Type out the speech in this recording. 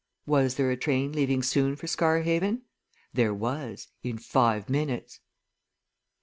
Was there a train leaving soon for Scarhaven? There was in five minutes.